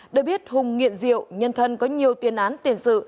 được biết hùng nghiện rượu nhân thân có nhiều tiền án tiền sự